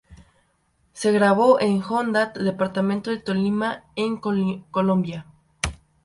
Se grabó en Honda, departamento de Tolima en Colombia.